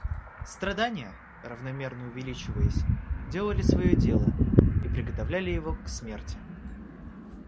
Страдания, равномерно увеличиваясь, делали свое дело и приготовляли его к смерти.